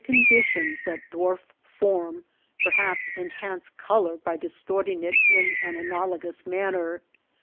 conditions that dwarf form perhaps enhance color by distorting it in an analogous manner.